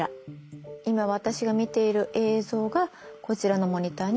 今私が見ている映像がこちらのモニターに映ってます。